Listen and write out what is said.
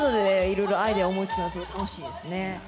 色々アイデアを思いつくのがすごい楽しいですね。